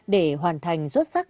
để hoàn thành xuất sắc